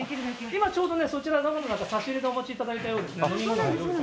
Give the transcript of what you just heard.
今ちょうどそちらのほうに差し入れをお持ちいただいたようで。